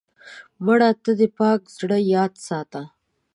مړه ته د پاک زړه یاد ساته